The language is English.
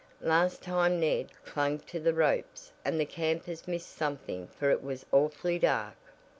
Last time Ned clung to the ropes and the campers missed something for it was awfully dark."